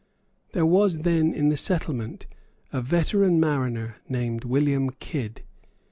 There was then in the settlement a veteran mariner named William Kidd.